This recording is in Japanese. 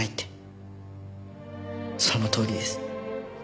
そのとおりです。